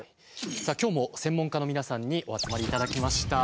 さあ今日も専門家の皆さんにお集まりいただきました。